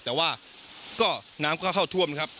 แต่ว่าก็น้ำก็เข้าท่วมนะครับ